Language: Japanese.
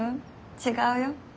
違うよ。